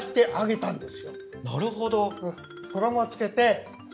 なるほど。